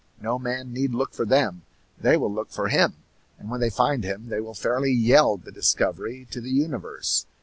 No man need look for them. They will look for him, and when they find him they will fairly yell the discovery to the universe.